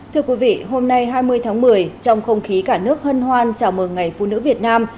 thưa quý vị hôm nay hai mươi tháng một mươi trong không khí cả nước hân hoan chào mừng ngày phụ nữ việt nam